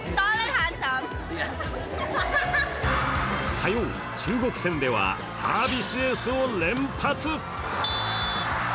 火曜、中国戦ではサービスエースを連発。